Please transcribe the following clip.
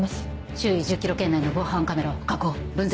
周囲１０ｋｍ圏内の防犯カメラを確保分析して。